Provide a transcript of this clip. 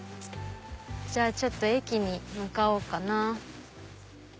じゃあちょっと駅に向かおうかな。